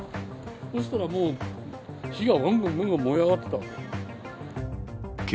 そしたら、もう火ががんがんがんがん燃え上がっていたわけ。